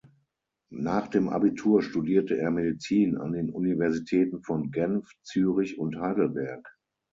Nach dem Abitur studierte er Medizin an den Universitäten von Genf, Zürich und Heidelberg.